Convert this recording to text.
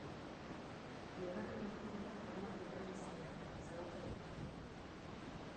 Bigarren laurdena arabarrena izan da, zalantzarik gabe.